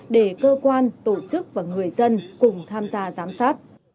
để cơ quan tổ chức và người dân cùng tham gia giám sát